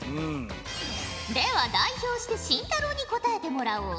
では代表して紳太郎に答えてもらおう。